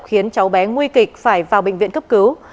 khiến cháu bé nguy kịch phải vào bệnh viện cấp cứu